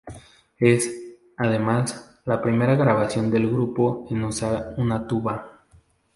Es, además, la primera grabación del grupo en usar una tuba.